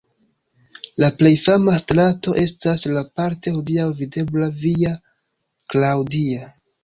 La plej fama strato estas la parte hodiaŭ videbla Via Claudia.